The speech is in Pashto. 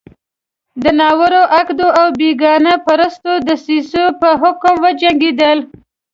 د ناروا عقدو او بېګانه پرستو دسیسو په حکم وجنګېدل.